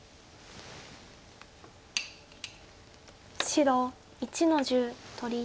白１の十取り。